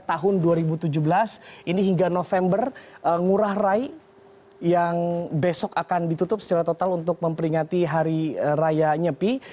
tahun dua ribu tujuh belas ini hingga november ngurah rai yang besok akan ditutup secara total untuk memperingati hari raya nyepi